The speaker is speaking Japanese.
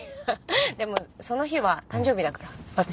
でもその日は誕生日だから私の。